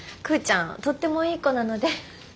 クウちゃんとってもいい子なので。